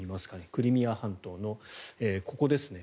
クリミア半島のここですね。